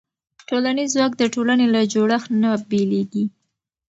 ټولنیز ځواک د ټولنې له جوړښت نه بېلېږي.